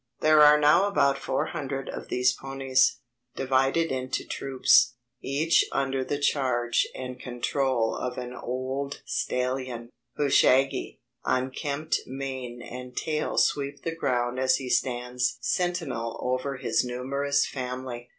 There are now about four hundred of these ponies, divided into troops, each under the charge and control of an old stallion, whose shaggy, unkempt mane and tail sweep the ground as he stands sentinel over his numerous family.